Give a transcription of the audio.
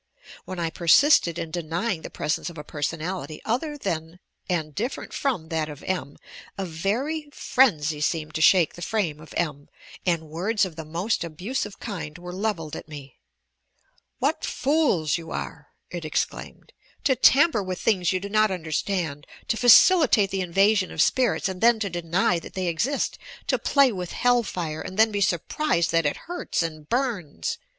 When I persisted in denying the presence of a personality other than and different from that of M., a very frenzy seemed to shake the frame of M, and words of the moat abusive kind were levelled at me: "What fools you are," it exclaimed, "to tamper with things you do not understand, to facilitate the invasion OBSESSION AND INSANITY 201 of spirits and then to deny that they exiat, to play with hell fire and then be surprised that it hurts and burns!